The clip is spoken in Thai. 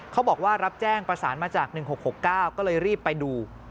เขาบอกว่ารับแจ้งประสานมาจาก๑๖๖๙ก็เลยรีบไปดู